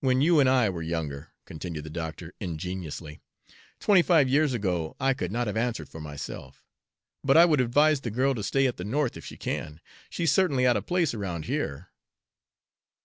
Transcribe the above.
"When you and I were younger," continued the doctor ingeniously, "twenty five years ago, I could not have answered for myself. But I would advise the girl to stay at the North, if she can. She's certainly out of place around here."